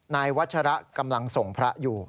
วัชระกำลังส่งพระอยู่